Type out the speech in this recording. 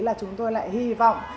là chúng tôi lại hy vọng